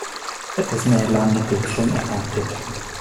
Etwas mehr Elan hätte ich schon erwartet.